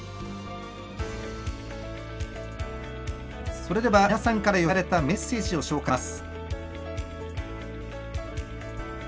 それでは皆さんから寄せられたメッセージを紹介します。